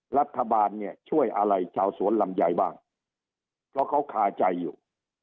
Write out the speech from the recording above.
รัฐบาลเนี่ยช่วยอะไรชาวสวนลำไยบ้างเพราะเขาคาใจอยู่